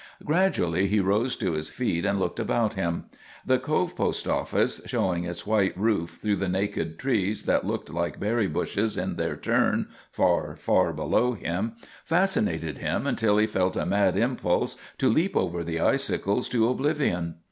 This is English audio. Gradually he rose to his feet and looked about him. The Cove post office, showing its white roof through the naked trees that looked like berry bushes in their turn, far, far below him, fascinated him until he felt a mad impulse to leap over the icicles to oblivion.